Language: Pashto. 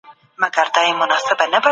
د کالج په دوران کي وخت څنګه مصرفوی؟